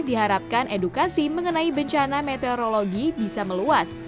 diharapkan edukasi mengenai bencana meteorologi bisa meluas